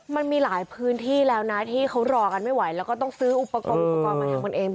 มันมีหลายพื้นที่แล้วนะที่เขารอกันไม่ไหวแล้วก็ต้องซื้ออุปกรณ์